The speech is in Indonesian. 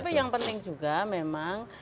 tapi yang penting juga memang